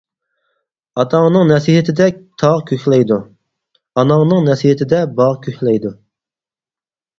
ئاتاڭنىڭ نەسىھەتىدە تاغ كۆكلەيدۇ، ئاناڭنىڭ نەسىھەتىدە باغ كۆكلەيدۇ.